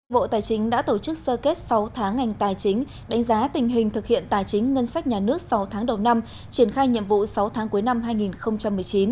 bộ tài chính đã tổ chức sơ kết sáu tháng ngành tài chính đánh giá tình hình thực hiện tài chính ngân sách nhà nước sáu tháng đầu năm triển khai nhiệm vụ sáu tháng cuối năm hai nghìn một mươi chín